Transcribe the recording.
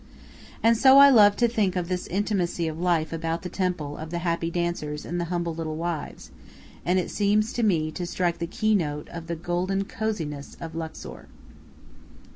And so I love to think of this intimacy of life about the temple of the happy dancers and the humble little wives, and it seems to me to strike the keynote of the golden coziness of Luxor.